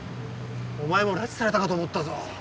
お前も拉致されたかと思ったぞ。